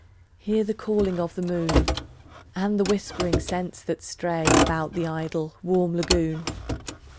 Hear the calling of the moon, And the whispering scents that stray About the idle warm lagoon.